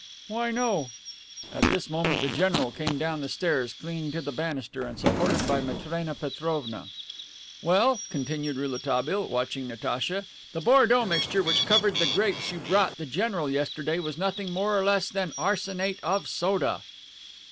"Why, no." At this moment the general came down the stairs, clinging to the banister and supported by Matrena Petrovna. "Well," continued Rouletabille, watching Natacha, "the Bordeaux mixture which covered the grapes you brought the general yesterday was nothing more nor less than arsenate of soda."